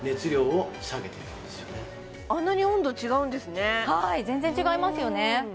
温度違うんですねはい全然違いますよね